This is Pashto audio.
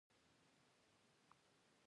دوی د پلاستیک او ګلالي په جوړولو کې مرسته کوي.